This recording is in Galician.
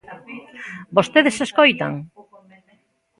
¿Vostedes escoitan?